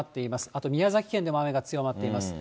あと宮崎県でも雨が強まっています。